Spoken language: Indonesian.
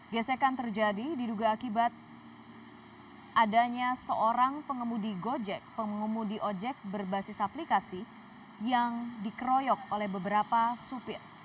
gesekan terjadi diduga akibat adanya seorang pengemudi gojek pengemudi ojek berbasis aplikasi yang dikeroyok oleh beberapa supir